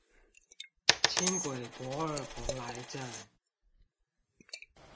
輕軌駁二蓬萊站